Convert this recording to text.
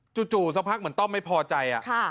จู่สักพักเหมือนต้อมไม่พอใจ